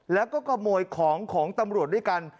แล้วก็ขโมยของของตำรวจด้วยกัน